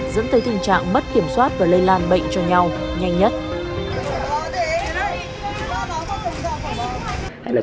dẫn tới tình trạng mất kiểm soát và lây lan bệnh cho nhau nhanh nhất